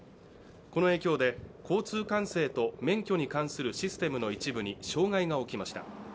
この影響で交通管制と免許に関するシステムの一部に障害が起きました。